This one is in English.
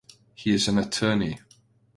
He is an attorney.